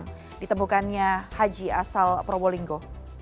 yang ditemukannya haji asal probolinggo